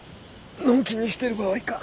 のんきにしてる場合か！